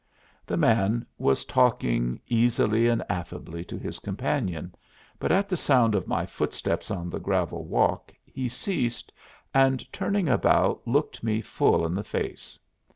The man was talking easily and affably to his companion, but at the sound of my footsteps on the gravel walk he ceased, and turning about looked me full in the face.